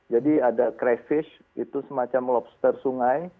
jadi ada crayfish itu semacam lobster sungai